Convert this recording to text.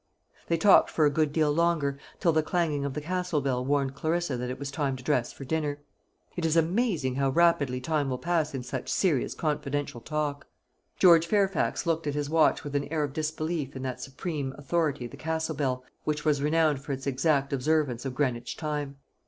They talked for a good deal longer, till the clanging of the Castle bell warned Clarissa that it was time to dress for dinner. It is amazing how rapidly time will pass in such serious confidential talk. George Fairfax looked at his watch with an air of disbelief in that supreme authority the Castle bell, which was renowned for its exact observance of Greenwich time.